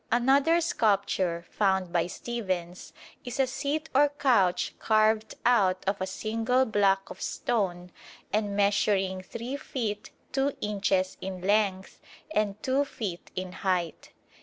Another sculpture, found by Stephens, is a seat or couch carved out of a single block of stone and measuring 3 feet 2 inches in length and 2 feet in height.